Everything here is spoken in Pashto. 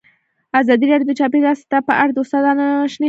ازادي راډیو د چاپیریال ساتنه په اړه د استادانو شننې خپرې کړي.